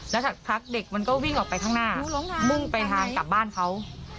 แล้วสักพักเด็กมันก็วิ่งออกไปข้างหน้ามุ่งไปทางกลับบ้านเขา